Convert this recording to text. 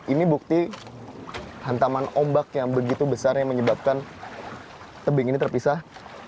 ini bukti hantaman ombak yang begitu besar yang menyebabkan tebing ini terpisah